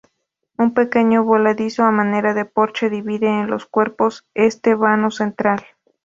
Un pequeño voladizo a manera de porche divide en dos cuerpos este vano central.